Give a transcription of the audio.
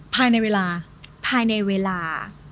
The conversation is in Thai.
ภายในเวลา